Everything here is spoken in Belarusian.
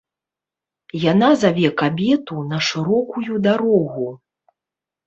Яна заве кабету на шырокую дарогу.